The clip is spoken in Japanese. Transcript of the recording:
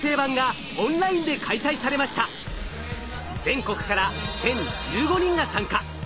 全国から１，０１５人が参加。